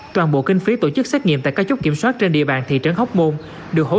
toàn bộ kinh phí tổ chức xét nghiệm tại các chốt kiểm soát trên địa bàn thị trấn hóc môn được hỗ trợ